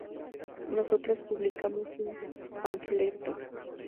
nosotras publicamos un panfleto